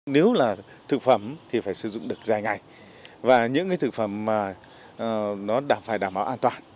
nếu là thực phẩm thì phải sử dụng được dài ngày và những thực phẩm mà nó đảm phải đảm bảo an toàn